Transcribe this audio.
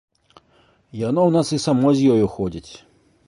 Яно ў нас і само з ёю ходзіць.